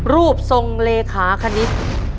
รูปทรงเลขาคณิต